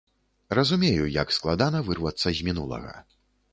Разумею, як складана вырвацца з мінулага.